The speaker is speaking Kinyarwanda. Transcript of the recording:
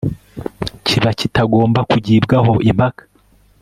kiba kitagomba kugibwaho impaka